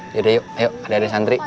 yaudah yuk yuk adik adik santri yuk